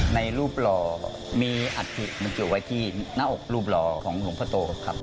ในรูปหล่อมีอัตภิกษ์มันเกี่ยวไว้ที่หน้าอกรูปหล่อของหลวงพ่อโตครับ